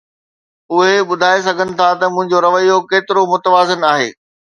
اهي ٻڌائي سگهن ٿا ته منهنجو رويو ڪيترو متوازن آهي.